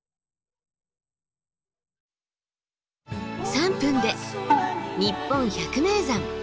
３分で「にっぽん百名山」。